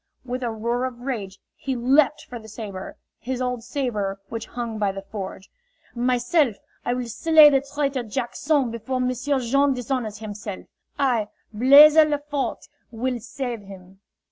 With a roar of rage he leaped for the saber his old saber which hung by the forge. "Myself, I will slay the traitor Jack son before M'sieu' Jean dishonors himself! I, Blaise Lefort, will save him."